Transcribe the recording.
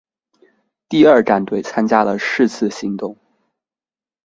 第二战队参加了是次行动。